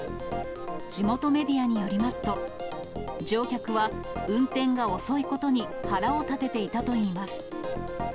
地元メディアによりますと、乗客は運転が遅いことに腹を立てていたといいます。